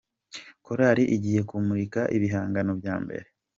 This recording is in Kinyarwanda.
Korari igiye kumurika ibihangano bya mbere